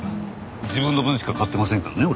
自分の分しか買ってませんからね俺。